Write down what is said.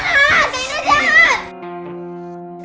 kak indra jangan